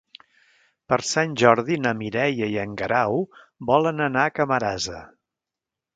Per Sant Jordi na Mireia i en Guerau volen anar a Camarasa.